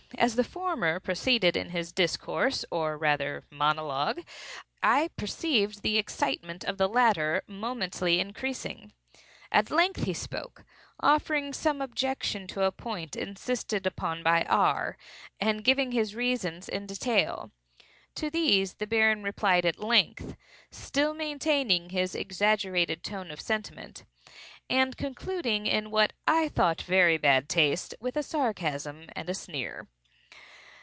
As the former proceeded in his discourse, or rather monologue, I perceived the excitement of the latter momently increasing. At length he spoke; offering some objection to a point insisted upon by R., and giving his reasons in detail. To these the Baron replied at length (still maintaining his exaggerated tone of sentiment) and concluding, in what I thought very bad taste, with a sarcasm and a sneer.